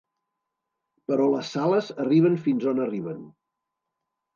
Però les sales arriben fins on arriben.